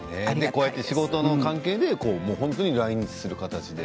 こうやって仕事の関係で来日する形で。